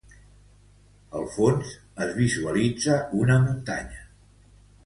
Al fons, es visualitza una muntanya.